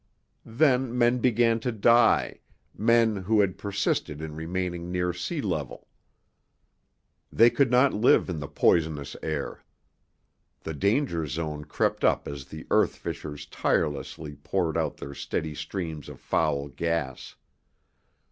Then men began to die, men who had persisted in remaining near sea level. They could not live in the poisonous air. The danger zone crept up as the earth fissures tirelessly poured out their steady streams of foul gas.